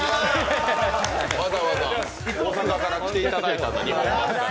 わざわざ大阪から来ていただいた。